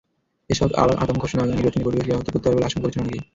এসব আগাম ঘোষণা নির্বাচনী পরিবেশ ব্যাহত করতে পারে বলে আশঙ্কা করছেন অনেকেই।